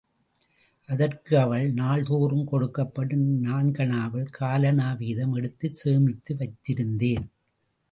அதற்கு அவள், நாள் தோறும் கொடுக்கப்படும் நான்கணாவில், காலணா வீதம் எடுத்துச் சேமித்து வைத்திருந்தேன்.